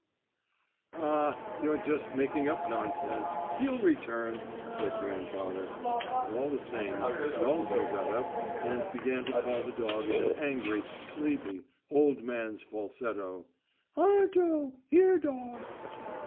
"Ah, you're just making up nonsense! He'll return," said grandfather. But all the same, he also got up and began to call the dog in an angry, sleepy, old man's falsetto: "Arto! Here, dog!"